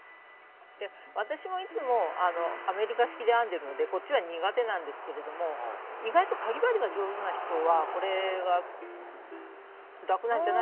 私もいつもアメリカ式で編んでるのでこっちは苦手なんですけれども意外とかぎ針が上手な人はこれが楽なんじゃないかなぁと思ったりします。